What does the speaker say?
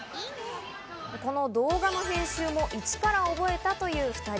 この動画の編集もイチから覚えたという２人。